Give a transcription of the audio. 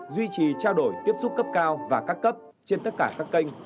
duy trì trao đổi tiếp xúc cấp cao và các cấp trên tất cả các kênh